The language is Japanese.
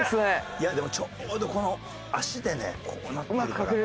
いやでもちょうどこの足でねこうなってるから。